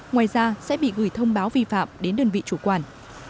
ngoài ra sẽ bị gửi thông báo vi phạm đến đơn vị chủ quản